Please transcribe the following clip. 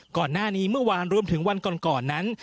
เมื่อวานนี้เมื่อวานรวมถึงวันก่อนนั้น